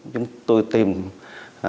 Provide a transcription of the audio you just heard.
chúng tôi tìm ra